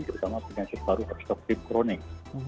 terutama penyakit paru obstruktif kronis